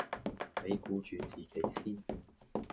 你顧住自己先